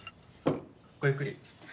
ごゆっくり。